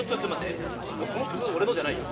この靴俺のじゃないよ。